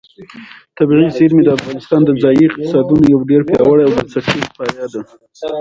طبیعي زیرمې د افغانستان د ځایي اقتصادونو یو ډېر پیاوړی او بنسټیز پایایه دی.